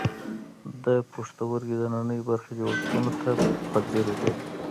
د پښتورګي دننۍ برخې جوړښتونو ته په ځیر وګورئ.